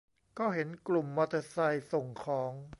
ก็เห็นกลุ่มมอเตอร์ไซค์ส่งของ